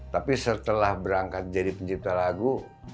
tapi setelah berangkat jadi pencipta lagu